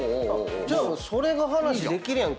じゃあそれが話できるやん。